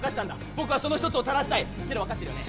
僕はその一つを正したいってのは分かってるよね？